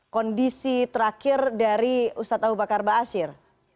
kondisi terakhir dari ustadz abu bakar ba'asyir